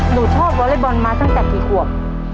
หนูชอบวอเล็กบอลมาตั้งแต่กี่ขวบ